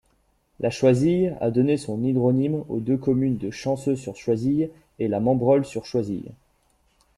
La Choisille a donné son hydronyme aux deux communes de Chanceaux-sur-Choisille et La Membrolle-sur-Choisille.